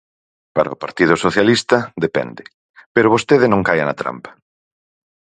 Para o Partido Socialista, depende, pero vostede non caia na trampa.